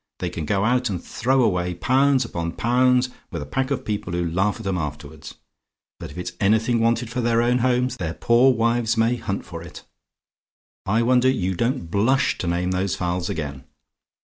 They can go out and throw away pounds upon pounds with a pack of people who laugh at 'em afterwards; but if it's anything wanted for their own homes, their poor wives may hunt for it. I wonder you don't blush to name those fowls again!